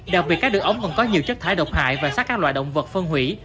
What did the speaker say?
đặc biệt các đường ống còn có nhiều chất thải độc hại và sát các loại động vật phân hủy